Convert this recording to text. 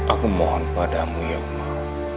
aku mohon padamu ya allah